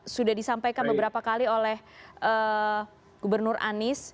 sudah disampaikan beberapa kali oleh gubernur anies